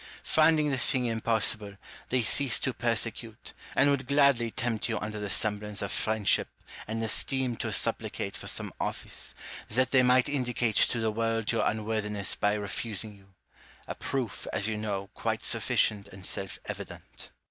Finding the thing impossible, they ceased to persecute, and would gladly tempt you under the semblance of friend ship and esteem to supplicate for some office, that they might indicate to the world your unworthiness by refusing you : a proof, as you know, quite sufficient and self evident.